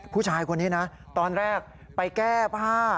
ผู้ชายคนนี้นะตอนแรกไปแก้ผ้า